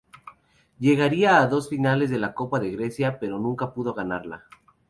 Llegaría a dos finales de la Copa de Grecia, pero nunca pudo ganarla.